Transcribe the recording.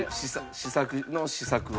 試作の試作を。